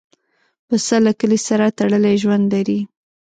پسه له کلي سره تړلی ژوند لري.